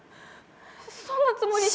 そんなつもりじゃ。